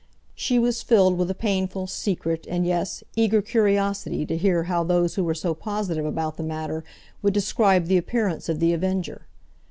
She was filled with a painful, secret, and, yes, eager curiosity to hear how those who were so positive about the matter would describe the appearance of The Avenger.